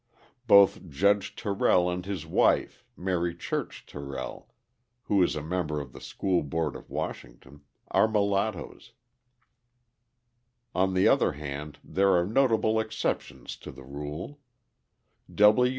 Both Judge Terrell and his wife, Mary Church Terrell, who is a member of the School Board of Washington, are mulattoes. On the other hand, there are notable exceptions to the rule.